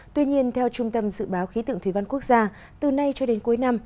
tuy nhiên theo trung tâm dự báo khí tượng thủy văn quốc gia từ nay cho đến cuối năm